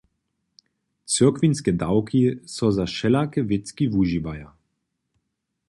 Cyrkwinske dawki so za wšelake wěcki wužiwaja.